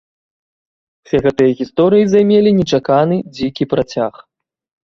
Усе гэтыя гісторыі займелі нечаканы, дзікі працяг!